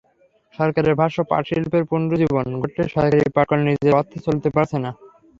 সরকারের ভাষ্য, পাটশিল্পের পুনরুজ্জীবন ঘটলেও সরকারি পাটকল নিজের অর্থে চলতে পারছে না।